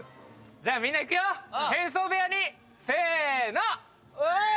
じゃあみんないくよ変装部屋にせーのオーイ！